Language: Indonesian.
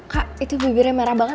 kak itu bibirnya